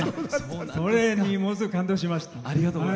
それにものすごく感動しました。